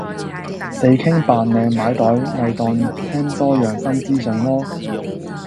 地傾扮靚買袋咪當聽多樣新資訊囉